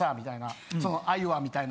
みたいな。